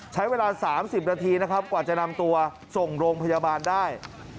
ใช้เวลา๓๐นาทีนะครับกว่าจะนำตัวส่งโรงพยาบาลได้